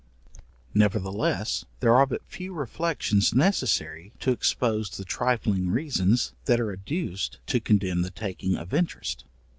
Nevertheless, there are but few reflections necessary to expose the trifling reasons that are adduced to condemn the taking of interest.